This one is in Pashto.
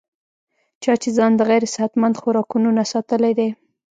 چا چې ځان د غېر صحتمند خوراکونو نه ساتلے دے